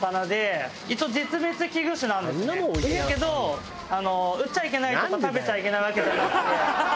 だけど売っちゃいけないとか食べちゃいけないわけじゃなくて。